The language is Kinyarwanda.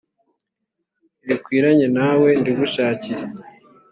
rikwiranye nawe ndigushakire